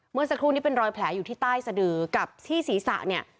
เมื่อสักครู่นี้เป็นรอยแผลอยู่ที่ใต้สะดือกับที่ศีรษะเนี่ย